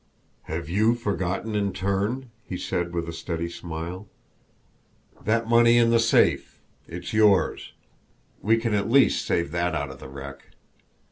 "Have YOU forgotten in turn?" he said, with a steady smile. "That money in the safe it's yours we can at least save that out of the wreck.